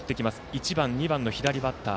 １番、２番の左バッター。